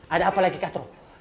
ada apa lagi katru